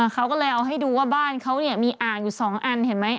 เขาก็เลยเอาให้ดูว่าบ้านเขามีอ่างอยู่๒อันเห็นไหม